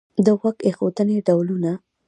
د غوږ ایښودنې ډولونه